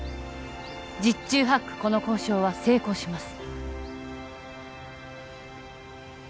十中八九この交渉は成功します